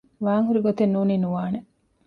ވާންހުރި ގޮތެއް ނޫނީ ނުވާނެ